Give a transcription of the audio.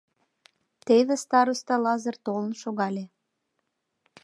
Теве староста Лазыр толын шогале.